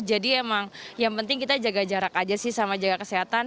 jadi emang yang penting kita jaga jarak aja sih sama jaga kesehatan